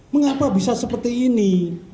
mengapa bisa seperti ini